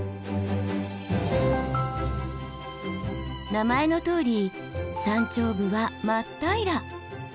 名前のとおり山頂部は真っ平ら。